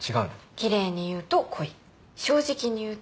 奇麗に言うと恋正直に言うと下心。